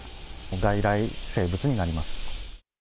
外来生物になります。